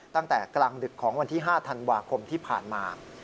ตั้งแต่กลางดึกของวันที่๕ธันวาคมที่ผ่านมา